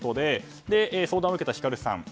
相談を受けたヒカルさん。